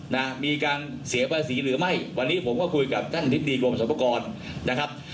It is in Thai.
นะมีการเสียภาษีหรือไม่วันนี้ผมก็คุยกับท่านอธิบดีกรมสรรพากรนะครับ